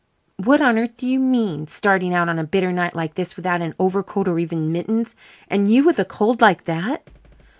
What on earth do you mean, starting out on a bitter night like this without an overcoat or even mittens, and you with a cold like that?"